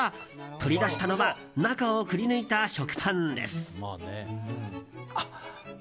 取り出したのは中をくりぬいた食パンです。